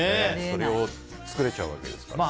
それを作れちゃうわけですからね。